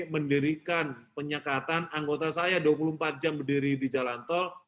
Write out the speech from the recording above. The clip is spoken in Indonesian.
mendirikan penyekatan anggota saya dua puluh empat jam berdiri di jalan tol